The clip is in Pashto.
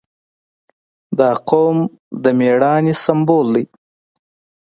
• دا قوم د مېړانې سمبول دی.